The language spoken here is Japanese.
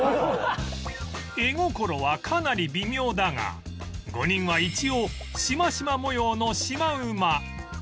絵心はかなり微妙だが５人は一応しましま模様のシマウマ